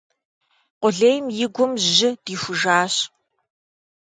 Къулейм и гум жьы дихужащ.